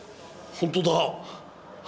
本当だ。